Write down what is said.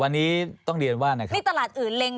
วันนี้ต้องเรียนว่านะครับ